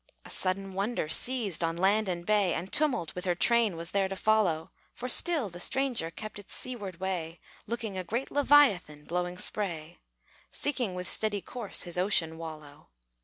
A sudden wonder seized on land and bay, And Tumult, with her train, was there to follow; For still the stranger kept its seaward way, Looking a great leviathan blowing spray, Seeking with steady course his ocean wallow.